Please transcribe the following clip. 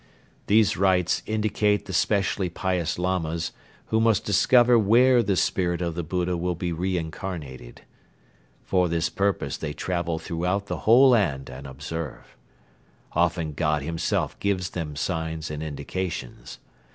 These rites indicate the specially pious Lamas who must discover where the Spirit of the Buddha will be re incarnated. For this purpose they travel throughout the whole land and observe. Often God himself gives them signs and indications.